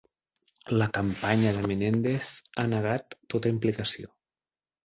La campanya de Menendez ha negat tota implicació.